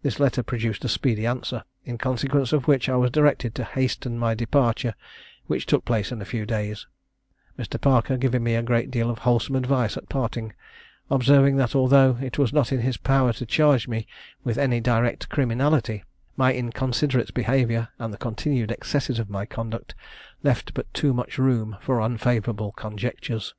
This letter produced a speedy answer, in consequence of which I was directed to hasten my departure, which took place in a few days, Mr. Parker giving me a great deal of wholesome advice at parting; observing that although it was not in his power to charge me with any direct criminality, my inconsiderate behaviour, and the continued excesses of my conduct, left but too much room for unfavourable conjectures.